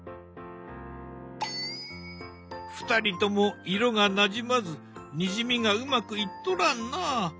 ２人とも色がなじまずにじみがうまくいっとらんな。